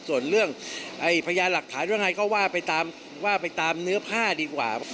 ส่วนเรื่องพยายามหลักฐานเรื่องไหนก็ว่าไปตามเนื้อผ้าดีกว่า